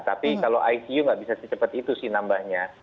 tapi kalau icu nggak bisa secepat itu sih nambahnya